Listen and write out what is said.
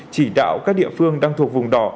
chỉ đạo các địa phương đang thuộc vùng đỏ